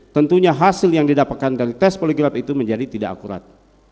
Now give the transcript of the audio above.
tentunya hasil yang didapatkan dari tes poligraf itu menjadi tidak akurat